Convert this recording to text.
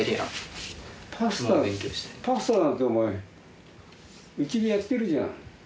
パスタなんてうちでやってるじゃん。